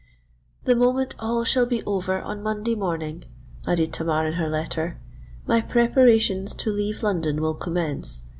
"The moment all shall be over on Monday morning," added Tamar in her letter, "my preparations to leave London will commence.